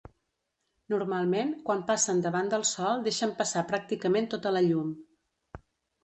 Normalment, quan passen davant del sol deixen passar pràcticament tota la llum.